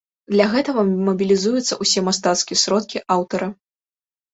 Для гэтага мабілізуюцца ўсе мастацкія сродкі аўтара.